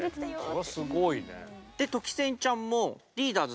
それすごいね。